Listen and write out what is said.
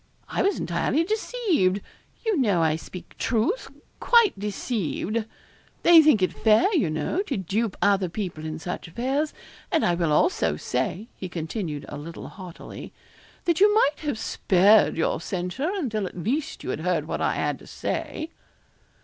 I was entirely deceived you know I speak truth quite deceived. They think it fair, you know, to dupe other people in such affairs; and I will also say,' he continued, a little haughtily, 'that you might have spared your censure until at least you had heard what I had to say.'